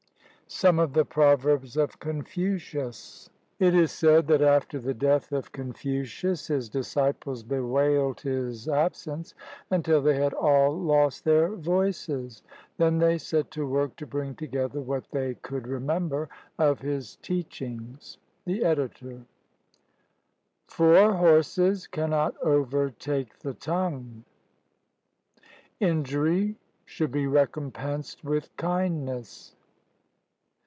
SOME OF THE PROVERBS OF CONFUCIUS [It is said that after the death of Confucius his disciples bewailed his absence until they had all lost their voices. Then they set to work to bring together what they could remember of his teachings. The Editor] Four horses cannot overtake the tongue. Injury should be recompensed with kindness.